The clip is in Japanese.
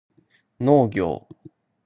農業